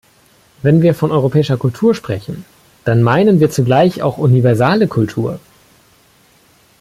Wenn wir von europäischer Kultur sprechen, dann meinen wir zugleich auch universale Kultur.